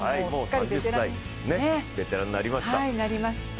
３０歳、ベテランになりました